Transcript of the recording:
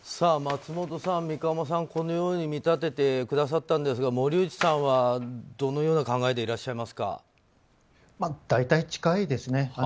松本さん、三鴨さんはこのように見立ててくださったんですが森内さんはどのような考えで大体近いですね。